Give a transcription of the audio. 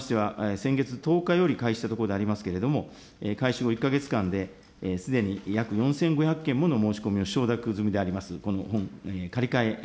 この制度につきましては、先月１０日より開始したところでありますけれども、開始後１か月間で、すでに約４５００件もの申し込みを承諾済みであります